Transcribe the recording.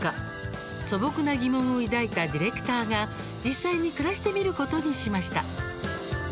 素朴な疑問を抱いたディレクターが実際に暮らしてみることにしました。